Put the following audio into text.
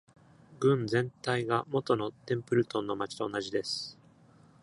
郡全体が元のテンプルトンの町と同じです。